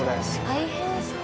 大変そう。